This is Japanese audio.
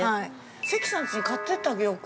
◆関さん家、買っていってあげようか。